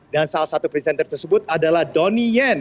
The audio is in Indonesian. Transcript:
dan salah satu presenter tersebut adalah donnie yen